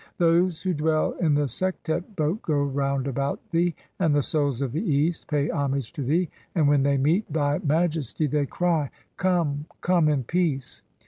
Those who "dwell in the Sektet boat (9) go round about thee, and the "Souls of the East pay homage to thee, and when they meet thy "Majesty they cry : 'Come, come in peace